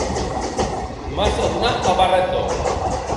M'has de donar el barret d'or.